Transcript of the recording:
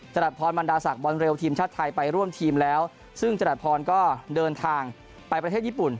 รัชพรบรรดาศักดิบอลเร็วทีมชาติไทยไปร่วมทีมแล้วซึ่งจรัสพรก็เดินทางไปประเทศญี่ปุ่น